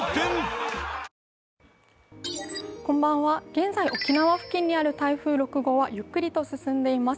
現在、沖縄付近にある台風６号はゆっくりと進んでいます。